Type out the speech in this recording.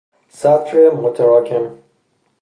سطر متراکم